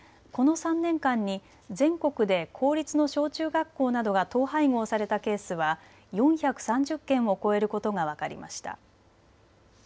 この３年間に全国で公立の小中学校などが統廃合されたケースは４３０件を超えることが分かりました。